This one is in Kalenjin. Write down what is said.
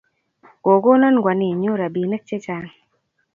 Ko kona kwaninyu rabinik che chang